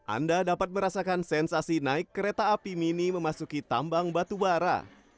anda dapat merasakan sensasi naik kereta api mini memasuki tambang batubara